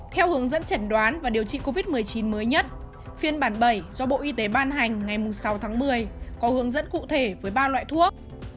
theo hướng dẫn chẩn đoán và điều trị covid một mươi chín mới nhất phiên bản bảy do bộ y tế ban hành ngày sáu tháng một mươi có hướng dẫn cụ thể với ba loại thuốc